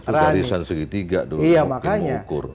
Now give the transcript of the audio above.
itu garisan segitiga dulu